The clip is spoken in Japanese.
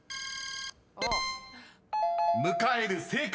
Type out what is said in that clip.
［「迎える」正解！